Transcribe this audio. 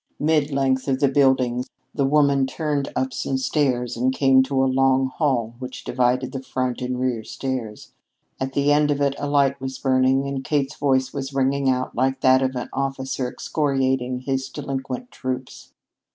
Mid length of the building the woman turned up some stairs and came to a long hall which divided the front and rear stairs. At the end of it a light was burning, and Kate's voice was ringing out like that of an officer excoriating his delinquent troops.